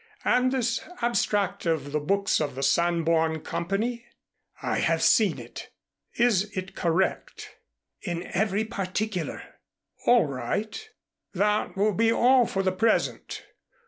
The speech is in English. "And this abstract of the books of the Sanborn Company?" "I have seen it." "Is it correct?" "In every particular." "All right. That will be all for the present.